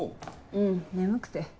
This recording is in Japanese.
うん眠くて。